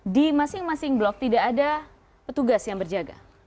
di masing masing blok tidak ada petugas yang berjaga